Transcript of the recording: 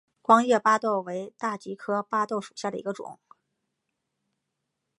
光叶巴豆为大戟科巴豆属下的一个种。